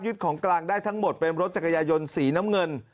ของกลางได้ทั้งหมดเป็นรถจักรยายนสีน้ำเงิน